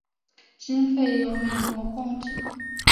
经费由美国供给。